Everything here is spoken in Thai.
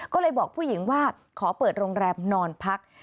ก็เลยบอกผู้หญิงว่าขอเปิดโรงแรมนอนพัก